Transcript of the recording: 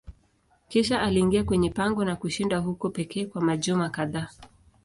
Kisha aliingia kwenye pango na kushinda huko pekee kwa majuma kadhaa.